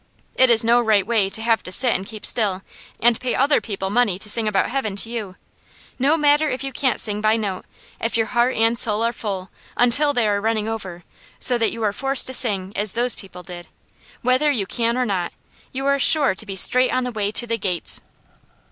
It is no right way to have to sit and keep still, and pay other people money to sing about Heaven to you. No matter if you can't sing by note, if your heart and soul are full, until they are running over, so that you are forced to sing as those people did, whether you can or not, you are sure to be straight on the way to the Gates.